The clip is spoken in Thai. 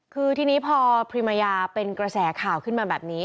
คือทีนี้พอพรีมายาเป็นกระแสข่าวขึ้นมาแบบนี้